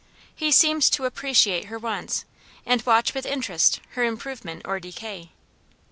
He seemed to appreciate her wants, and watch with interest her improvement or decay.